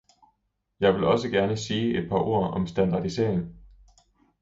Jeg vil også sige et par ord om standardisering.